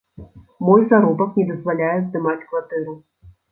Мой заробак не дазваляе здымаць кватэру.